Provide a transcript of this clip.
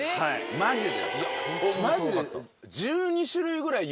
マジで。